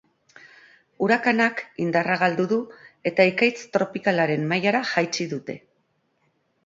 Urakanak indarra galdu du eta ekaitz tropikalaren mailara jaitsi dute.